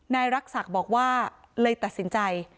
นายรักษักบอกว่าเลยตัดสินใจ